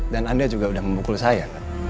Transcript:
dan anda juga udah membukul saya